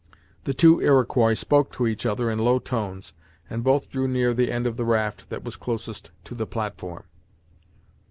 The two Iroquois spoke to each other in low tones, and both drew near the end of the raft that was closest to the platform.